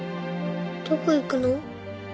どこ行くの？